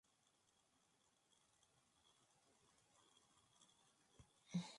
Esta no es una reacción de combustión, sino de oxidación.